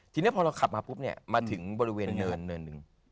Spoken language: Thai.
ทีนี้พอเราขับมาปุ๊บเนี่ยมาถึงบริเวณเนินเนินหนึ่ง